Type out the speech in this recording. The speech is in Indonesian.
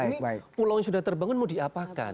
ini pulau yang sudah terbangun mau diapakan